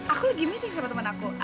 aku lagi meeting sama temen aku